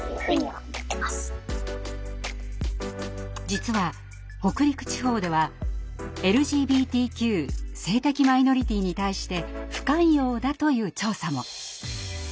実は北陸地方ではＬＧＢＴＱ性的マイノリティに対して不寛容だという調査も。